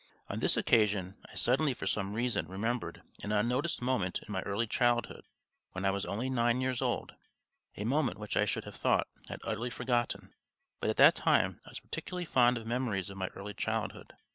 On this occasion, I suddenly for some reason remembered an unnoticed moment in my early childhood when I was only nine years old a moment which I should have thought I had utterly forgotten; but at that time I was particularly fond of memories of my early childhood.